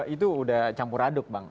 itu udah campur aduk bang